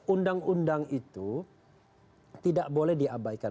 undang undang itu tidak boleh diabaikan